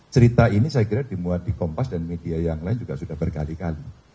cerita ini saya kira dimuat di kompas dan media yang lain juga sudah berkali kali